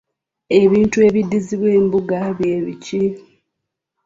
Ebintu ebiddizibwa obuggya bye biki?